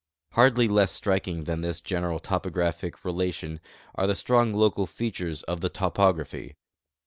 Hardly less striking than this general topographic relation are the strong local features of the topography.